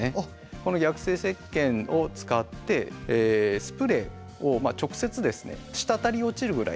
この逆性せっけんを使ってスプレーを直接ですねしたたるぐらい？